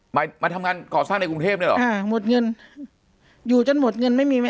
มามาทำงานก่อสร้างในกรุงเทพด้วยเหรออ่าหมดเงินอยู่จนหมดเงินไม่มีไหม